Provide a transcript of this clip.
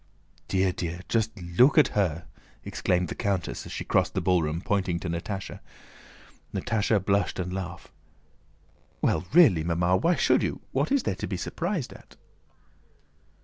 "Dear, dear! Just look at her!" exclaimed the countess as she crossed the ballroom, pointing to Natásha. Natásha blushed and laughed. "Well, really, Mamma! Why should you? What is there to be surprised at?"